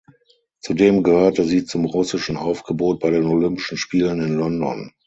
Zudem gehörte sie zum russischen Aufgebot bei den Olympischen Spielen in London.